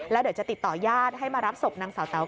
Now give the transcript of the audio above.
แล้วเดี๋ยวจะติดต่อญาติให้มารับศพนางสาวแต๋ว